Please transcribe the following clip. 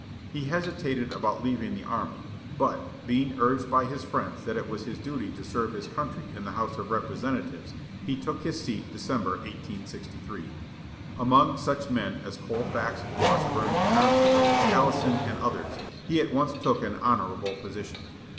He hesitated about leaving the army, but, being urged by his friends that it was his duty to serve his country in the House of Representatives, he took his seat December, 1863. Among such men as Colfax, Washburn, Conkling, Allison, and others, he at once took an honorable position.